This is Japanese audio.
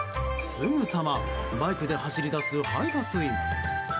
すぐさまバイクで走り出す配達員。